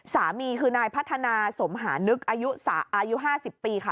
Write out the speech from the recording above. สามีคือนายพัฒนาสมหานึกอายุ๕๐ปีค่ะ